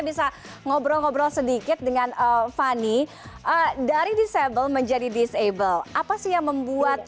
bisa ngobrol ngobrol sedikit dengan fanny dari disable menjadi disable apa sih yang membuat